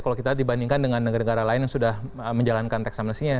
kalau kita dibandingkan dengan negara negara lain yang sudah menjalankan tax amnesty nya